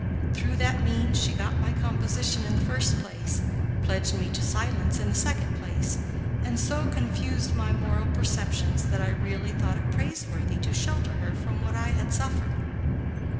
Through that means she got my composition in the first place, pledged me to silence in the second place, and so confused my moral perceptions that I really thought it praiseworthy to shelter her from what I had suffered.